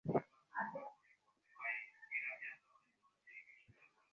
না, তুমি ছিলে।